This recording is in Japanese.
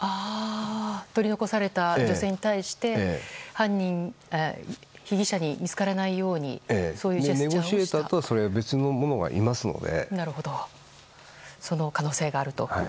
取り残された女性に対して被疑者に見つからないようにそういう、ネゴシエーターとはその可能性があると。